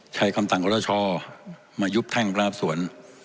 ใช้คำตังค์กรชช่อมายุบแท่งพระนับสวน